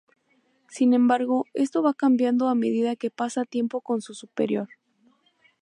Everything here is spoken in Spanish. Sin embargo, esto va cambiando a medida que pasa tiempo con su superior.